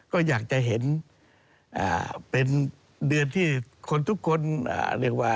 ก็อยากจะเห็นเป็นเดือนที่คนทุกคนเรียกว่า